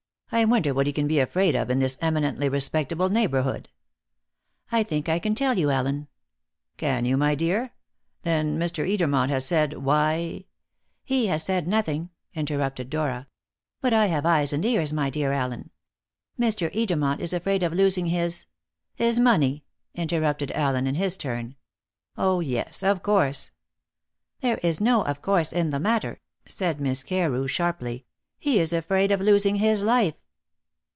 "I wonder what he can be afraid of in this eminently respectable neighbourhood." "I think I can tell you, Allen." "Can you, my dear? Then Mr. Edermont has said why " "He has said nothing," interrupted Dora, "but I have eyes and ears, my dear Allen. Mr. Edermont is afraid of losing his " "His money," interrupted Allen in his turn. "Oh yes, of course." "There is no 'of course' in the matter," said Miss Carew sharply; "he is afraid of losing his life."